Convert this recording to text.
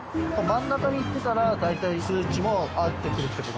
真ん中にいってたら大体数値も合ってくるって事ですか？